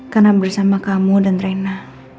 karena bersama kamu dan raina